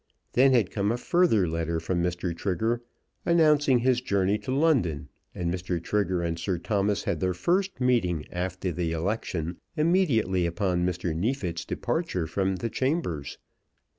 Then had come a further letter from Mr. Trigger, announcing his journey to London, and Mr. Trigger and Sir Thomas had their first meeting after the election, immediately upon Mr. Neefit's departure from the chambers.